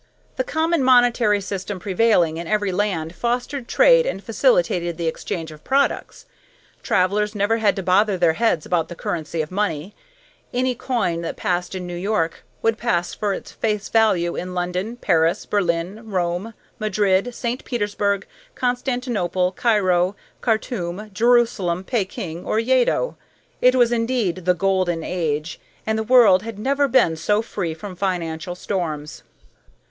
The common monetary system prevailing in every land fostered trade and facilitated the exchange of products. Travellers never had to bother their heads about the currency of money; any coin that passed in New York would pass for its face value in London, Paris, Berlin, Rome, Madrid, St. Petersburg, Constantinople, Cairo, Khartoum, Jerusalem, Peking, or Yeddo. It was indeed the "Golden Age," and the world had never been so free from financial storms.